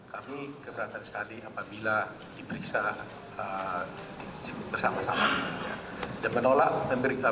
kami keberatan sekali apabila diperiksa